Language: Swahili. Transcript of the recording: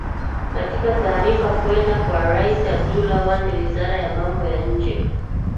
katika taarifa kwenda kwa rais abdullah wande wizara ya mambo ya nje